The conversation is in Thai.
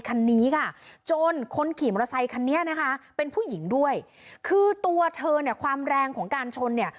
คันนี้ค่ะจนคนขี่มอเตอร์ไซคันนี้นะคะเป็นผู้หญิงด้วยคือตัวเธอเนี่ยความแรงของการชนเนี่ย